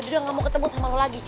dia gak mau ketemu sama lo lagi